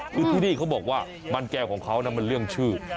คือที่นี่เขาบอกว่ามันแก้วของเขานะมันเรื่องชื่อ